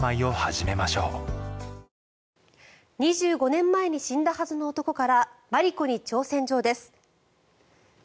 ２５年前に死んだはずの男から、マリコに挑戦状です。